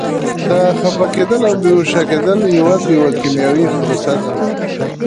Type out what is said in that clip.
دا خفه کېدل او بې هوښه کېدل یوازې یوه کیمیاوي پروسه ده.